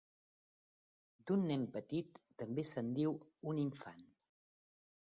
D'un nen petit també se'n diu un infant.